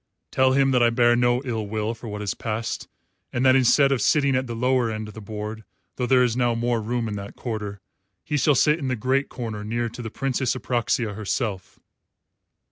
Tell him that I bear no ill will for what has passed, and that instead of sitting at the lower end of the board though there is now more room in that quarter he shall sit in the great corner near to the Princess Apraxia herself."